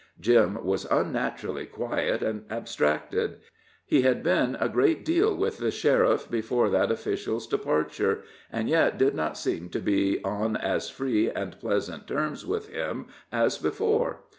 Jim was unnaturally quiet and abstracted; he had been a great deal with the sheriff before that official's departure, and yet did not seem to be on as free and pleasant terms with him as before.